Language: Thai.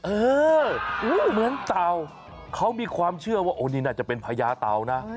เออเหมือนเต่าเขามีความเชื่อว่าโอ้นี่น่าจะเป็นพญาเต่านะ